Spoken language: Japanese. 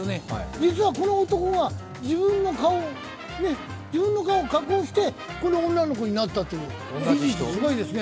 実はこの男が自分の顔を加工して、この女の子になったという、すごいですね。